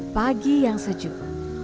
pagi yang sejuk